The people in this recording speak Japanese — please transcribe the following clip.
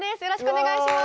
お願いします。